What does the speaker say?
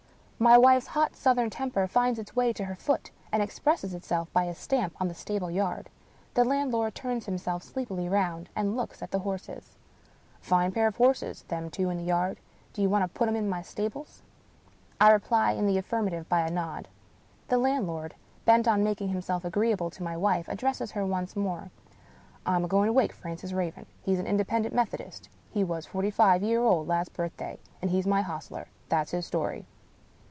My wife's hot southern temper finds its way to her foot, and expresses itself by a stamp on the stable yard. The landlord turns himself sleepily round, and looks at the horses. " A fine pair of horses, them two in the yard. Do you want to put 'em in my stables ?" I reply in the affirmative by a nod. The landlord, bent on making him self agreeable to my wife, addresses her once more. " I'm a going to wake Francis Raven. He's an Independent Methodist. He was forty five year old last birthday. And he's my hostler. That's his story."